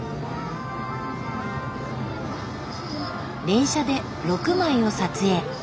連写で６枚を撮影。